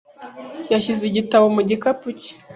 Yashyize igitabo mu gikapu cye .